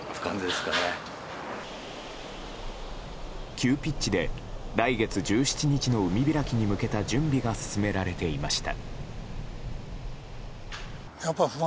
急ピッチで来月１７日の海開きに向けた準備が進められていました。